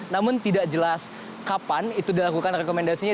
namun tidak jelas kapan itu dilakukan rekomendasinya